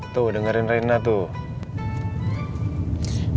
tuh dengerin reina tuh